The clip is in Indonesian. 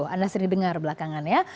anda sendiri dengar belakangannya